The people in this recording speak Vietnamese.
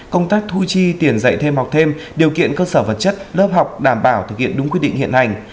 công tác thu chi tiền dạy thêm học thêm điều kiện cơ sở vật chất lớp học đảm bảo thực hiện đúng quy định hiện hành